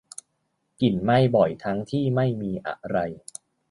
กลิ่นไหม้บ่อยทั้งที่ไม่มีอะไร